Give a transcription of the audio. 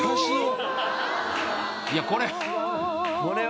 いやこれ。